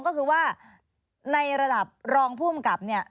ก็คือว่าในระดับรองภูมิกับเนี่ย